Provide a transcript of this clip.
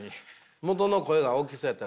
元の声が大きそうやった。